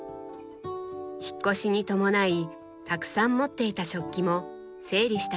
引っ越しに伴いたくさん持っていた食器も整理したそうです。